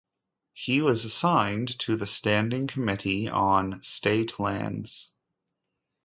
He was assigned to the standing committee on State Lands.